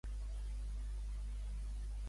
Com es considerava Cíbele en aquell lloc?